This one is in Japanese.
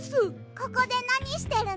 ここでなにしてるの？